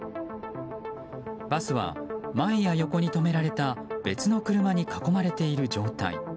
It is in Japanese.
バスは前や横に止められた別の車に囲まれている状態。